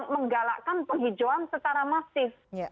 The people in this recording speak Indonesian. menggalakkan penghijauan secara masif